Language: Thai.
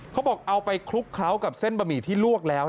เขาบอกเอาไปคลุกเคล้ากับเส้นบะหมี่ที่ลวกแล้ว